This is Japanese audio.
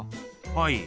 はい。